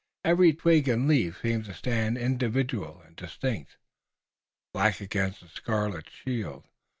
Every twig and leaf seemed to stand individual and distinct, black against a scarlet shield.